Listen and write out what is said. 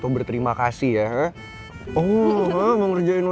tapi tetep aja dia ngacangin gue